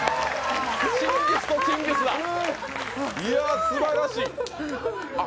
チンギスとチンギスだいや、すばらしい。